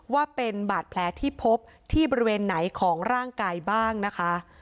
ว่าเป็นบาดแผลที่พบที่บริเวณไหนของร่างกายบ้างนะคะ